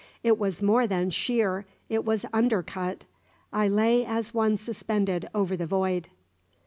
It was more than sheer it was undercut. I lay as one suspended over the void.